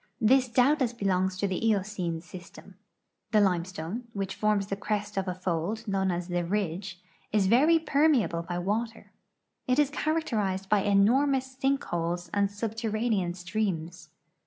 This doubtless belongs to the Eocene .system. The limestone, which forms the crest of a fold known as " the ridge," is very i)ermeable by water. It is characterized by enormous sink holes and sub terranean streams.